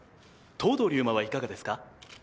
藤堂竜馬はいかがですか？